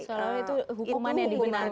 seolah olah itu hukuman yang digunakan